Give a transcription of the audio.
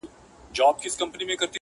چي استاد یې وو منتر ورته ښودلی؛